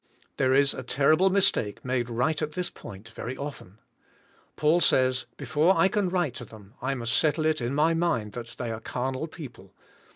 There is a terrible mis take made right at this point very often. Paul sa3'S, before I can write to them I must settle it in my mind that they are carnal people.